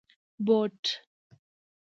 👞 بوټ